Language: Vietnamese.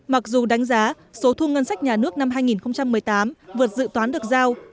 mặc dù đánh giá số thu ngân sách nhà nước năm hai nghìn một mươi tám vượt dự toán được giao